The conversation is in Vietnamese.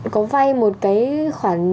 có vay một cái khoản